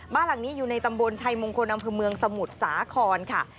บ้านหลังนี้อยู่ในตำบลชัยมงคลอำเภอเมืองสมุทรสาครค่ะ